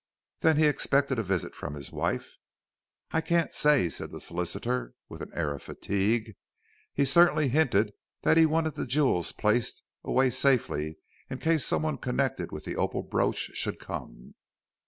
"Then he expected a visit from his wife?" "I can't say," said the solicitor, with an air of fatigue. "He certainly hinted that he wanted the jewels placed away safely in case someone connected with the opal brooch should come."